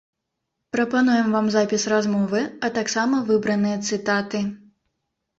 Прапануем вам запіс размовы, а таксама выбраныя цытаты.